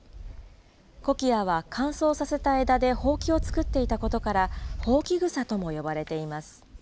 コキアは乾燥させた枝でホウキを作っていたことから、ホウキグサとも呼ばれています。